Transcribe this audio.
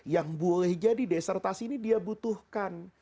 yang boleh jadi desertasi ini dia butuhkan